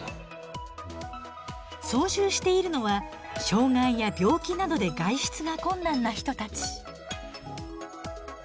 操縦しているのは障害や病気などで外出が困難な人たち。